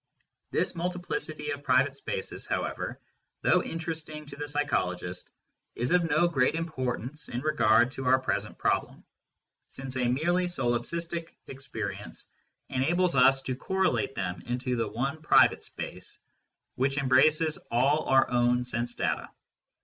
This multiplicity of private spaces, however, though interesting to the psychologist, is of no great importance in regard to our present problem, since a merely solipsistic experience enables us to correlate them into the one private space which embraces all our own sense data.